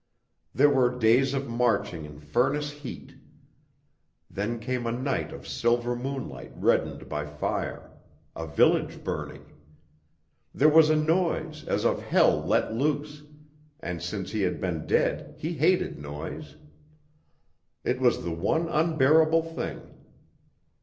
There were days of marching in furnace heat. Then came a night of silver moonlight reddened by fire; a village burning. There was a noise as of hell let loose: and since he had been dead he hated noise. It was the one unbearable thing.